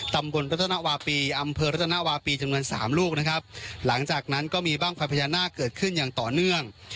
รัฐนาวาปีอำเภอรัตนาวาปีจำนวนสามลูกนะครับหลังจากนั้นก็มีบ้างไฟพญานาคเกิดขึ้นอย่างต่อเนื่อง